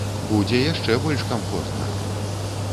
Будзе яшчэ больш камфортна!